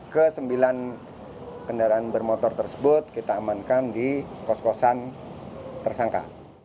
ke sembilan kendaraan bermotor tersebut kita amankan di kos kosan tersangka